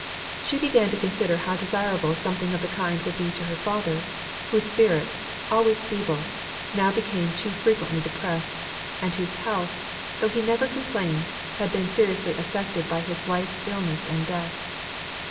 She began to consider how desirable something of the kind would be to her father, whose spirits, always feeble, now became too frequently depressed, and whose health, though he never complained, had been seriously affected by his wife's illness and death.